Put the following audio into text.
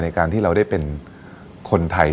ในการที่เราได้เป็นคนไทย